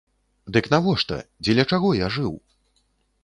Дык навошта, дзеля чаго я жыў?